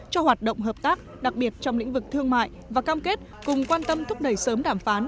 cho hoạt động hợp tác đặc biệt trong lĩnh vực thương mại và cam kết cùng quan tâm thúc đẩy sớm đàm phán